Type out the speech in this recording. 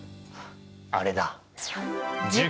あれだ。